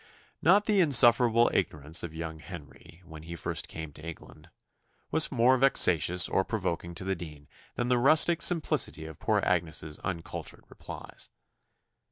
Not the insufferable ignorance of young Henry, when he first came to England, was more vexatious or provoking to the dean than the rustic simplicity of poor Agnes's uncultured replies.